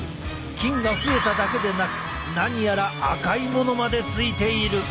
菌が増えただけでなく何やら赤いものまでついている。